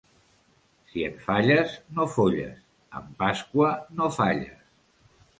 Si en falles no folles, en pasqua no falles.